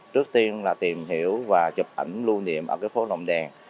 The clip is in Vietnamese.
trước tiên là tìm hiểu và chụp ảnh lưu niệm ở cái phố nồng đèn